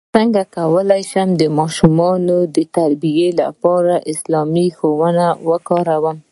څنګه کولی شم د ماشومانو د تربیې لپاره اسلامي لارښوونې وکاروم